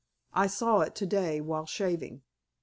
I saw it to day while shaving."